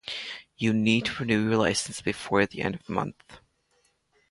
You need to renew your license before the end of the month.